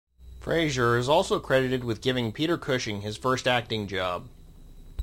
Fraser is also credited with giving Peter Cushing his first acting job.